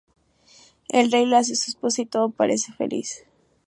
El rey la hace su esposa y todo parece feliz.